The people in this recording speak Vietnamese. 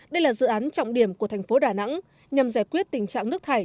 đây là dự án trọng điểm của thành phố đà nẵng nhằm giải quyết tình trạng nước thải